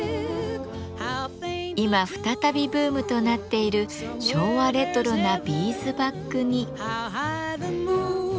今再びブームとなっている昭和レトロなビーズバッグに。